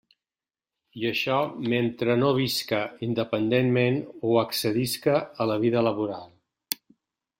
I això mentre no visca independentment o accedisca a la vida laboral.